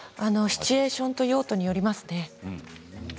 シチュエーションと用途によりますね。